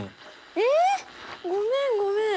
えっごめんごめん。